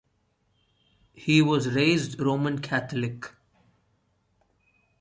He was raised Roman Catholic.